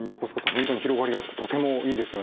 本当に広がりがあってとてもいいですよね。